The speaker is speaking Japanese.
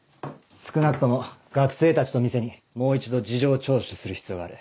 少なくとも学生たちと店にもう一度事情聴取する必要がある。